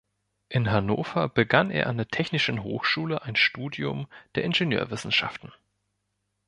In Hannover begann er an der Technischen Hochschule ein Studium der Ingenieurwissenschaften.